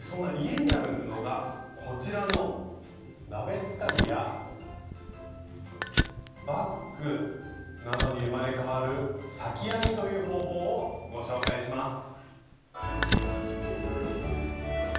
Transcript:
そんな家にある布がこちらの鍋つかみやバッグなどに生まれ変わる「裂き編み」という方法をご紹介します。